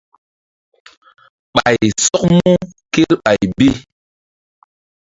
Ɓay sɔk mu kerɓay bi.